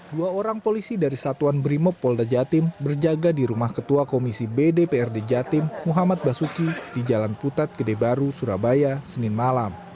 dua orang polisi dari satuan brimob polda jatim berjaga di rumah ketua komisi bdprd jatim muhammad basuki di jalan putat gede baru surabaya senin malam